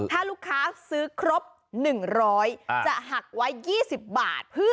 ถ้าลูกค้าซื้อครบ๑๐๐จะหักไว้๒๐บาท